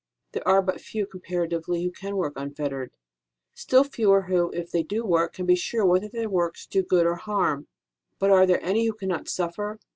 There are but few comparatively who can work unfettered ; still fewer who, if they do work, can be sure whether their works do good or harm ; but are there any who cannot suffer